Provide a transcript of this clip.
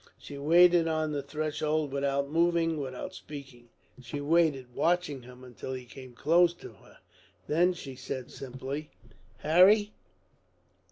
She waited on the threshold without moving, without speaking. She waited, watching him, until he came close to her. Then she said simply: "Harry."